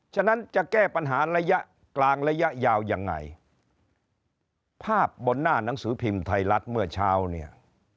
ฉะนั้นจะแก้ปัญหาระยะกลางระยะยาวยังไงภาพบนหน้าหนังสือพิมพ์ไทยรัฐเมื่อเช้าเนี่ย